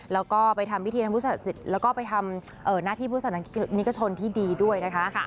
แล้วก็ไปทำพิธีพุทธศักดิ์สิทธิ์แล้วก็ไปทำหน้าที่พุทธศักดิ์นิกชนที่ดีด้วยนะคะ